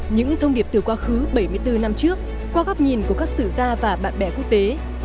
những thông điệp từ quá khứ bảy mươi bốn năm trước qua góc nhìn của các sử gia và bạn bè quốc tế